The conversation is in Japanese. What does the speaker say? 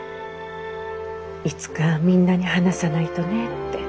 いつかみんなに話さないとねって。